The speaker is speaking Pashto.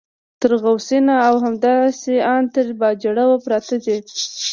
تر غو سین او همداسې ان تر باجوړه پراته دي.